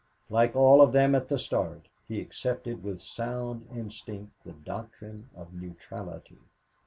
Like all of them at the start he accepted with sound instinct the doctrine of neutrality.